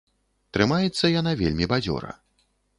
Трымаецца яна вельмі бадзёра.